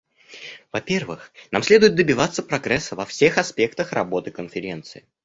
Во-первых, нам следует добиваться прогресса во всех аспектах работы Конференции.